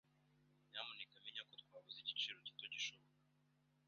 Nyamuneka menya ko twavuze igiciro gito gishoboka.